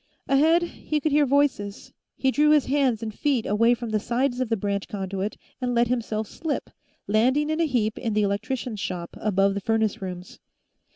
Ahead, he could hear voices. He drew his hands and feet away from the sides of the branch conduit and let himself slip, landing in a heap in the electricians' shop, above the furnace rooms.